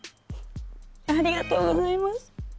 ありがとうございます。